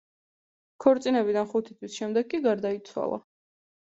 ქორწინებიდან ხუთი თვის შემდეგ კი გარდაიცვალა.